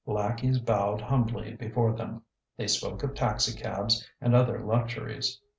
Lackeys bowed humbly before them. They spoke of taxicabs and other luxuries.